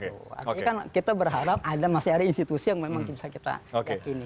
artinya kan kita berharap ada masyarakat institusi yang memang bisa kita kiniin